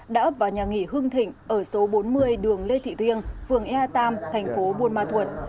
đã ấp vào nhà nghỉ hương thịnh ở số bốn mươi đường lê thị thiêng phường e tám thành phố bùi ma thuột